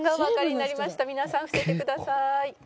皆さん伏せてください。